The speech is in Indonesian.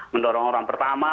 mendorong orang pertama